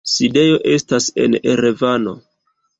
Sidejo estas en Erevano.